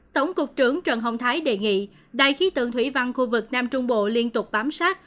tổng cục trưởng trần hồng thái đề nghị đài khí tượng thủy văn khu vực nam trung bộ liên tục bám sát